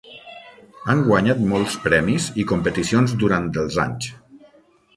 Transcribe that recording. Han guanyat molts premis i competicions durant els anys.